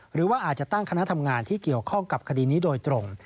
หรือว่าอาจจะตั้งคณะทำงานที่เกี่ยวข้องกับคดีนี้โดยตรง